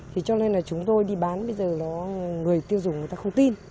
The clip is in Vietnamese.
thì cho nên là chúng tôi đi bán bây giờ là người tiêu dùng người ta không tin